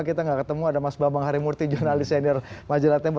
kita nggak ketemu ada mas bambang harimurti jurnalist senior majelat tembo